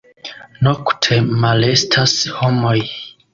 Nokte malestas homoj.